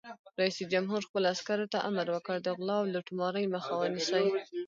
رئیس جمهور خپلو عسکرو ته امر وکړ؛ د غلا او لوټمارۍ مخه ونیسئ!